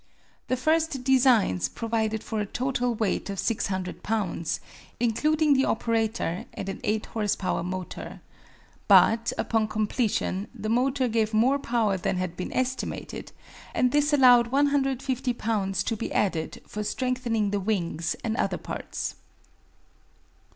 The first designs provided for a total weight of 600 lbs., including the operator and an eight horse power motor. But, upon completion, the motor gave more power than had been estimated, and this allowed 150 lbs. to be added for strengthening the wings and other parts.